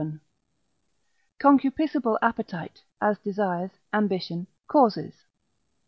—Concupiscible Appetite, as Desires, Ambition, Causes.